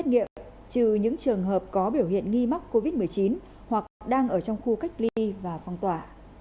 nghiệm trừ những trường hợp có biểu hiện nghi mắc covid một mươi chín hoặc đang ở trong khu cách ly và phong tỏa